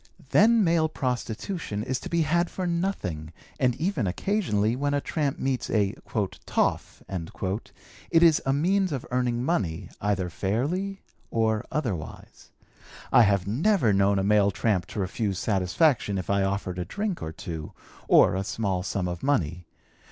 Then male prostitution is to be had for nothing, and even occasionally when a tramp meets a 'toff' it is a means of earning money, either fairly or otherwise. I have never known a male tramp to refuse satisfaction if I offered a drink or two, or a small sum of money.